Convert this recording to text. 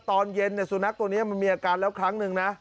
ตอนเย็นสุนัขตัวนี้มันมีอาการแล้วครั้งหนึ่งนะ